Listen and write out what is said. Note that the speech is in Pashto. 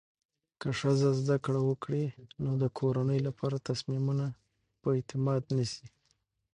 که ښځه زده کړه وکړي، نو د کورنۍ لپاره تصمیمونه په اعتماد نیسي.